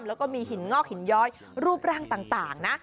แล้วก็มีหินงอกหินย้อยรูปร่างต่างนะ